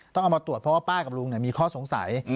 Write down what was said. ต้องเอามาตรวจเพราะว่าป้ากับลุงมีข้อสงสัย